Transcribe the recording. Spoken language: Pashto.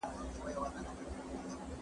زما ورور دېرش سيبه لري.